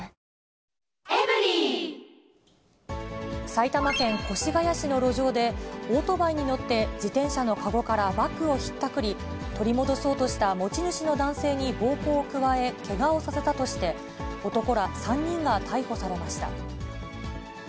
埼玉県越谷市の路上で、オートバイに乗って自転車の籠からバッグをひったくり、取り戻そうとした持ち主の男性に暴行を加え、けがをさせたとして、男ら３人が逮捕されました。